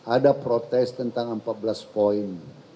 ada protes tentang empat belas poin